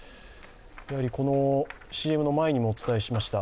やはりＣＭの前にもお伝えしました